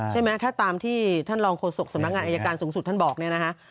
ใช่ไหมถ้าตามที่ท่านรองโฆษกสำนักงานอายการสูงสุดท่านบอกเนี่ยนะฮะ